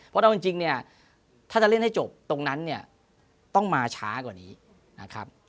เพราะเอาจริงเนี่ยถ้าจะเล่นให้จบตรงนั้นเนี่ยต้องมาช้ากว่านี้นะครับ